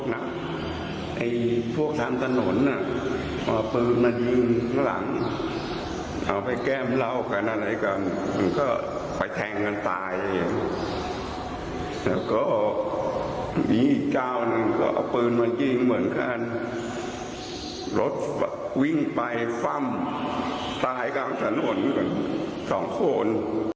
แล้วก็มีอีกจ้าวนึงก็เอาปืนมายิงเหมือนกันรถวิ่งไปฟังตายกลางสนุน๒คน